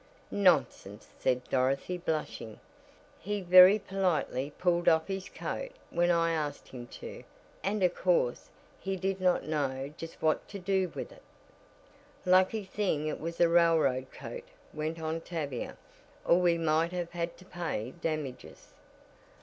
"Nonsense," said Dorothy, blushing. "He very politely pulled off his coat when I asked him to, and of course, he did not know just what to do with it." "Lucky thing it was a railroad coat," went on Tavia, "or we might have had to pay damages."